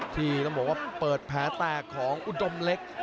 ที่ต้องบอกว่าเปิดแผลแตกของอุดมเล็ก